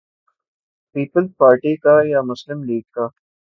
Peoples Party کا یا مسلم لیگ کا؟